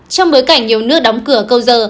trong bối cảnh nhiều nước đóng cửa câu giờ